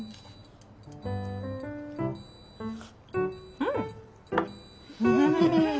うん。